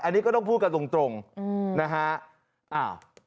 อันนี้ก็ต้องพูดกันตรงนะฮะ